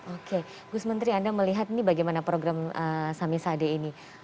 oke gus menteri anda melihat ini bagaimana program samisade ini